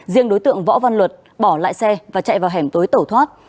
riêng đối tượng võ văn luật bỏ lại xe và chạy vào hẻm tối tẩu thoát